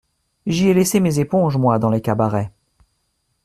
J’y ai laissé mes éponges, moi, dans les cabarets